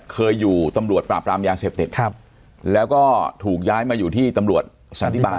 เคยอยู่ตำรวจปราบรามยาเสพติดครับแล้วก็ถูกย้ายมาอยู่ที่ตำรวจสันติบาล